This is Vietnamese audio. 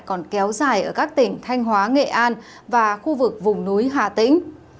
còn kéo dài ở các tỉnh thanh hóa nghệ an và khu vực vùng núi hà tĩnh